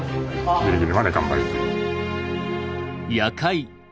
ギリギリまで頑張りたい。